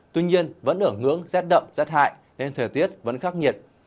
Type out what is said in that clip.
tuy nhiên vẫn ở ngưỡng rét đậm rét hại nên thời tiết vẫn khắc nhiệt